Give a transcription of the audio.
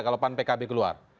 kalau pan pkb keluar